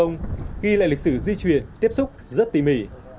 nhưng lại lịch sử di chuyển tiếp xúc rất tỉ mỉ